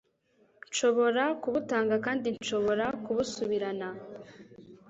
Nshobora kubutanga kandi nshobora kubusubirana."